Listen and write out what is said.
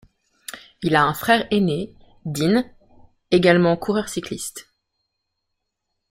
Il a un frère aîné, Dean, également coureur cycliste.